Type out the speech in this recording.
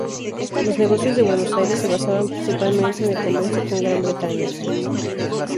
Los negocios de Buenos Aires se basaban principalmente en el comercio con Gran Bretaña.